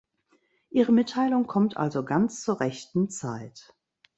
Ihre Mitteilung kommt also ganz zur rechten Zeit.